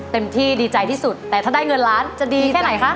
เต็มที่ดีใจที่สุดแต่ถ้าได้เงินล้านจะดีแค่ไหนคะ